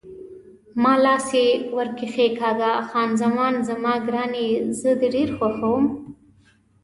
ما لاس یې ور کښېکاږه: خان زمان زما ګرانې، زه دې ډېر خوښوم.